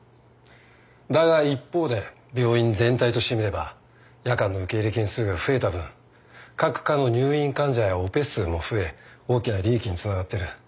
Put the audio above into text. だが一方で病院全体として見れば夜間の受け入れ件数が増えた分各科の入院患者やオペ数も増え大きな利益につながってる